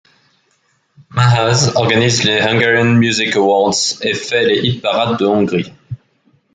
Mahasz organise les Hungarian Music Awards et fait les hit-parades de Hongrie.